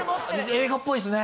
映画っぽいですね。